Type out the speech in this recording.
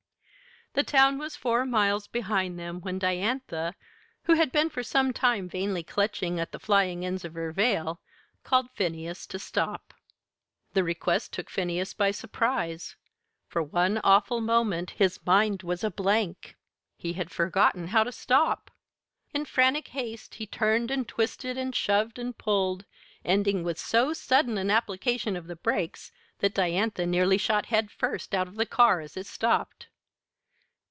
The town was four miles behind them when Diantha, who had been for some time vainly clutching at the flying ends of her veil, called to Phineas to stop. The request took Phineas by surprise. For one awful moment his mind was a blank he had forgotten how to stop! In frantic haste he turned and twisted and shoved and pulled, ending with so sudden an application of the brakes that Diantha nearly shot head first out of the car as it stopped.